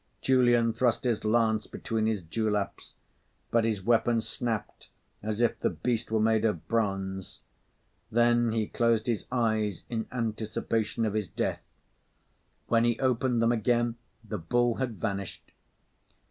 Julian thrust his lance between his dewlaps. But his weapon snapped as if the beast were made of bronze; then he closed his eyes in anticipation of his death. When he opened them again, the bull had vanished.